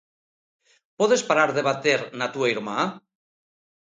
Podes parar de bater na túa irmá?